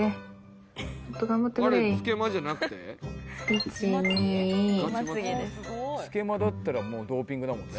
１２つけまだったらもうドーピングだもんね